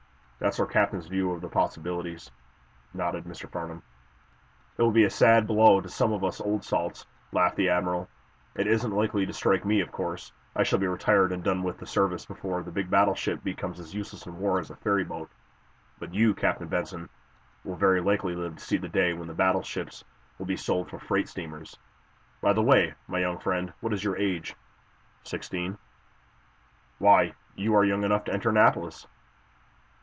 "That's our captain's view of the possibilities," nodded Mr. Farnum. "It will be a sad blow to some of us old salts," laughed the admiral. "It isn't likely to strike me, of course. I shall be retired, and done with the service, before the big battleship becomes as useless in war as a ferryboat. But you, Captain Benson, will very likely live to see the day when the battleships will be sold for freight steamers. By the way, my young friend, what is your age? Sixteen. Why, you are young enough to enter Annapolis.